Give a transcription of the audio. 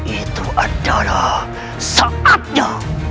itu adalah saatnya